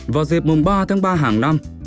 vào dịp mùa ba tháng ba hàng năm